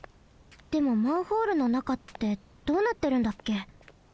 でもマンホールの中ってどうなってるんだっけ？